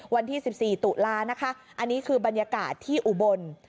วันที่๑๔ตุลานะคะอันนี้คือบรรยากาศที่อุบล